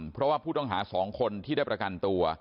เพราะว่าผู้ต้องหา๒คนที่ได้ประกันตัว